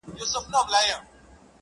پرېښودلای خو يې نسم.